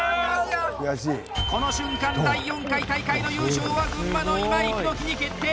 この瞬間、第４回大会の優勝は群馬の今井陽樹に決定！